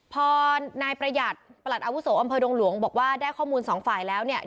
พอนายประหยัดประหลัดอาวุโสอำเภอดงหลวงบอกว่าได้ข้อมูลสองฝ่ายแล้วเนี่ย